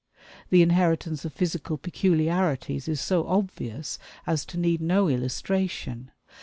The inheritance of physical peculiarities is so obvious as to need no illustration.